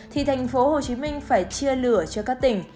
thì tp hcm phải chia lửa cho các tỉnh